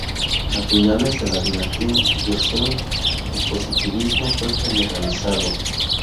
A finales de la dinastía Joseon, el positivismo fue generalizado.